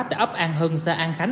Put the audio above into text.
tại ấp an hưng xã an khánh